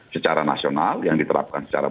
secara nasional yang diterapkan secara